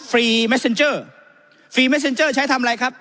ฟรีเมสเซ็นเจอร์ฟรีเมเซ็นเจอร์ใช้ทำอะไรครับ